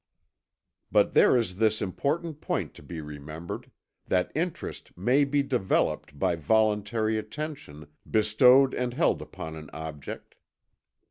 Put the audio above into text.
But there is this important point to be remembered, that interest may be developed by voluntary attention bestowed and held upon an object.